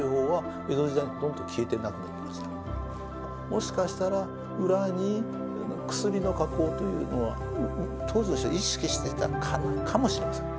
もしかしたら裏に薬の加工というのは当時の人は意識してたかもしれません。